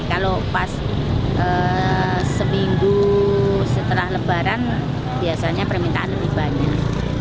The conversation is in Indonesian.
kalau pas seminggu setelah lebaran biasanya permintaan lebih banyak